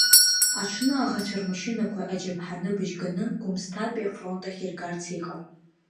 Аҽны аӷацәа рмашьынақәа аџьаԥҳаны быжьганы гәымсҭатәи афронт ахь иргарц иҟан.